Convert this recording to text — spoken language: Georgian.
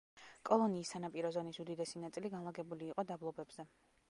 კოლონიის სანაპირო ზონის უდიდესი ნაწილი განლაგებული იყო დაბლობებზე.